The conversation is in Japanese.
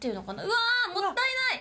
うわもったいない。